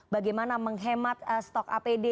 bagaimana menghemat stok apd